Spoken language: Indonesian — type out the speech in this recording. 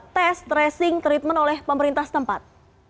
tes tracing treatment oleh pemerintah setempat